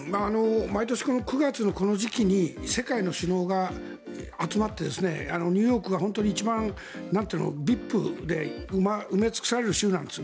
毎年９月のこの時期に世界の首脳が集まってニューヨークが本当に一番ＶＩＰで埋め尽くされる週なんです。